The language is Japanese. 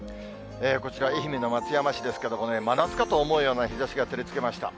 こちら、愛媛の松山市ですけれども、真夏かと思うような日ざしが照りつけました。